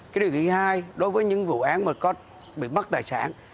cái điều thứ hai đối với những vụ án mà có bị mất tài sản